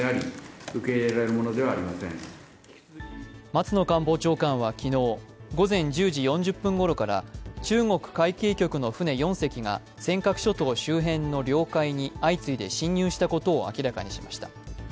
松野官房長官は昨日、午前１０時４０分ごろから中国海警局の船４隻が尖閣諸島周辺の領域に相次いで進入したことを明らかにしました。